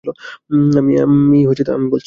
আম্মি, আমি বলছি।